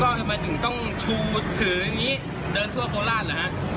ทำไมถึงต้องชูถืออย่างนี้เดินทั่วโคราชเหรอฮะ